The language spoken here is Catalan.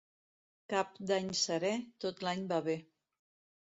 Cap d'Any serè, tot l'any va bé.